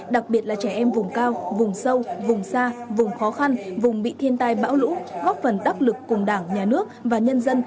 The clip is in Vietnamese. đặc biệt là trẻ em vùng cao vùng sâu vùng xa vùng khó khăn vùng bị thiên tai bão lũ góp phần đắc lực cùng đảng nhà nước và nhân dân